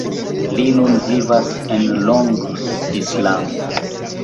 Li nun vivas en Long Island.